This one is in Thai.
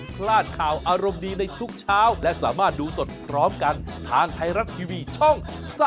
พลาดข่าวอารมณ์ดีในทุกเช้าและสามารถดูสดพร้อมกันทางไทยรัฐทีวีช่อง๓๒